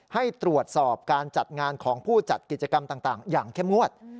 ให้ตรวจสอบการจัดงานของผู้จัดกิจกรรมต่างอย่างเข้มงวด